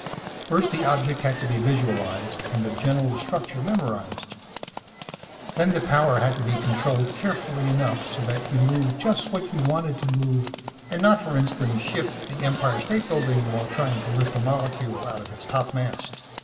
First the object had to be visualized, and the general structure memorized. Then the power had to be controlled carefully enough so that you moved just what you wanted to move and not, for instance, shift the Empire State Building while trying to lift a molecule out of its topmast.